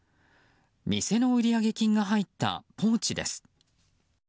店の売上金が入ったポーチです。